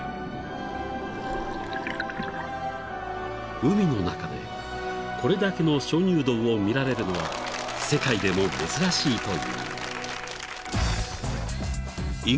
［海の中でこれだけの鍾乳洞を見られるのは世界でも珍しいという］